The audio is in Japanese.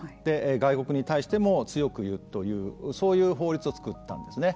外国に対しても強く言うというそういう法律を作ったんですね。